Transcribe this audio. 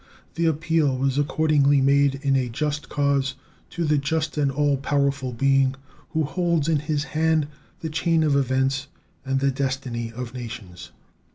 The appeal was accordingly made, in a just cause, to the Just and All powerful Being who holds in His hand the chain of events and the destiny of nations.